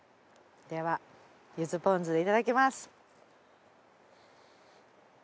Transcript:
ではゆずポン酢でいただきます。